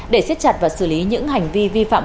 để siết chặt và xử lý những hành vi vi phạm